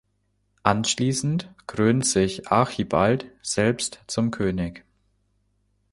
Anschließend krönt sich Archibald selbst zum König.